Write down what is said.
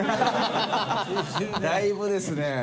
だいぶですね。